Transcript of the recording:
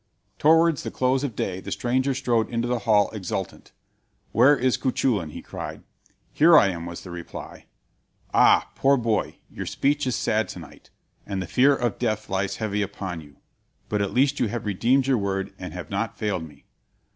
Towards the close of day the stranger strode into the hall exultant. "Where is Cuchulain?" he cried. "Here I am," was the reply. "Ah, poor boy! your speech is sad to night, and the fear of death lies heavy on you; but at least you have redeemed your word and have not failed me."